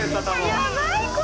やばい。